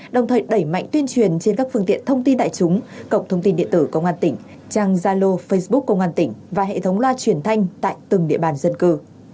đồng thời đẩy mạnh tuyên truyền trên các phương tiện thông tin đại chúng cộng thông tin điện tử công an tỉnh trang gia lô facebook công an tỉnh và hệ thống loa truyền thanh tại từng địa bàn dân cư